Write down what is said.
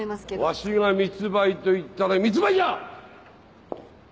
わしが密売と言ったら密売じゃ！